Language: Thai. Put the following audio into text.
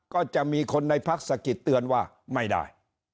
ก็จะมีคนในพักสะกิดเตือนว่าไม่ได้